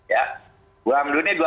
ya bulan juni